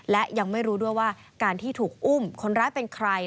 และยังไม่รู้ด้วยว่าการที่ถูกอุ้มคนร้ายเป็นใคร